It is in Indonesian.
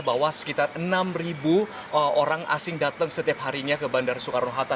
bahwa sekitar enam orang asing datang setiap harinya ke bandara soekarno hatta